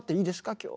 今日。